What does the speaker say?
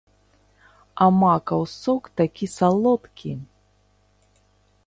А макаў сок такі салодкі!